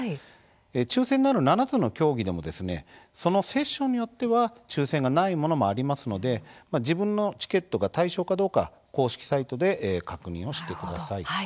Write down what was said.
抽せんのある７つの競技でもそのセッションによっては抽せんがないものもありますので自分のチケットが対象かどうか公式サイトで確認をしてください。